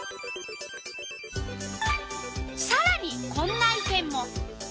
さらにこんな意見も。